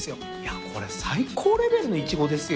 これ最高レベルのイチゴですよ。